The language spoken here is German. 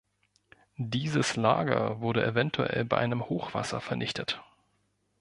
Dieses Lager wurde eventuell bei einem Hochwasser vernichtet.